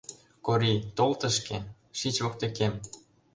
Корий, тол тышке, шич воктекем.